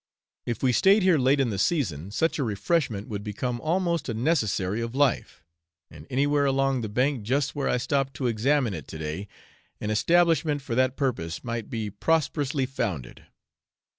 If we stayed here late in the season, such a refreshment would become almost a necessary of life, and anywhere along the bank just where I stopped to examine it to day, an establishment for that purpose might be prosperously founded.